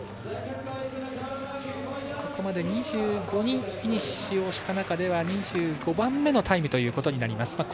ここまで２５人フィニッシュした中では２５番目のタイムとなります。